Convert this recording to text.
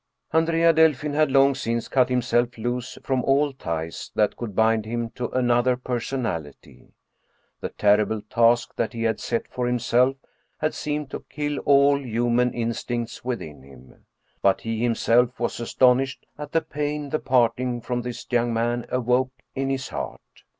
Andrea Delfin had long since cut himself loose from all ties that could bind him to another personality ; the terrible task that he had set for himself had seemed to kill all hu man instincts within him. But he himself was astonished at the pain the parting from this young man awoke in his heart.